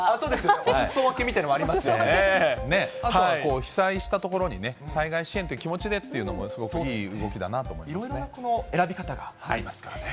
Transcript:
おすそ分けみたいなのもありあとは、被災した所にね、災害支援という気持ちでっていうのもすごくいい動きだなと思いまいろいろな選び方がありますからね。